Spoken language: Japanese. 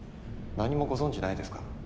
何もご存じないですか？